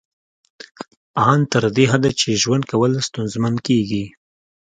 ان تر دې حده چې ژوند کول ستونزمن کیږي